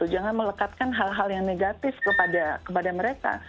jangan melekatkan hal hal yang negatif kepada mereka